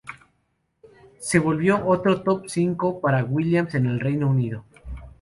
Se volvió otro top cinco para Williams en el Reino Unido.